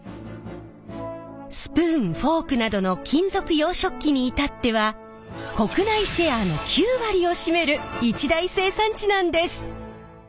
スプーンフォークなどの金属洋食器に至っては国内シェアの９割を占める一大生産地なんです。